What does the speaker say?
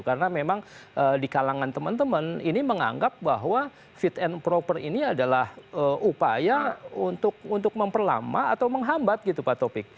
karena memang di kalangan teman teman ini menganggap bahwa fit and proper ini adalah upaya untuk memperlama atau menghambat gitu pak taufik